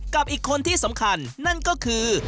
กับอีกคนที่สำคัญนั่นก็คือ